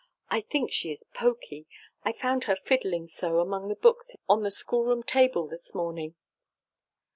I think she is pokey. I found her fiddling so among the books on the schoolroom table this morning."